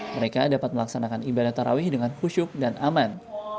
mereka dapat melaksanakan ibadah tarawih dengan khusyuk dan aman